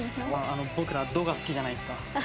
僕ら「ド」が好きじゃないですか。